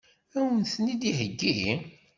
Ad wen-ten-id-iheggi?